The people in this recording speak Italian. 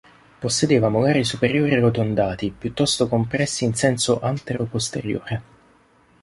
Possedeva molari superiori arrotondati, piuttosto compressi in senso antero-posteriore.